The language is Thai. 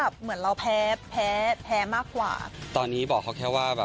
อ่าจริงนะ